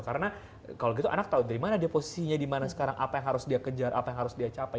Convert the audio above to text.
karena kalau gitu anak tahu di mana dia posisinya di mana sekarang apa yang harus dia kejar apa yang harus dia capai